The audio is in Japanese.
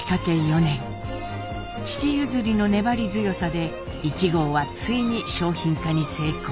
父譲りの粘り強さで壹号はついに商品化に成功。